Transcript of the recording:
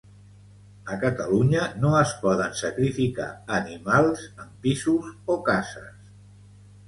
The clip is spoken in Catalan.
A Catalunya no es poden sacrificar animals en pisos o cases.